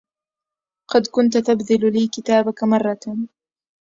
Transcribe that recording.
قد كنت تبذل لي كتابك مرة